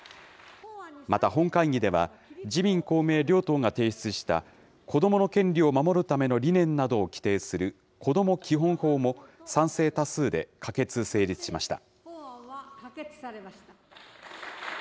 また本会議では、自民、公明両党が提出した子どもの権利を守るための理念などを規定するこども基本法も賛成多数で可決・成立しました。